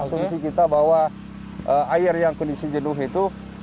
asumsi kita bahwa air yang kondisi jenuh itu